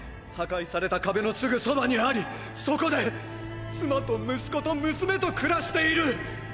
破壊された壁のすぐそばにありそこで妻と息子と娘と暮らしている！！